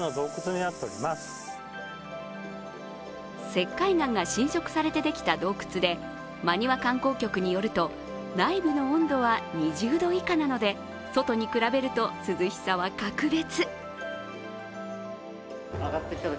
石灰岩が浸食されてできた洞窟で真庭観光局によると、内部の温度は２０度以下なので外に比べると涼しさは格別。